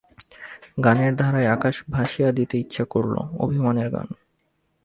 গানের ধারায় আকাশ ভাসিয়ে দিতে ইচ্ছা করল, অভিমানের গান।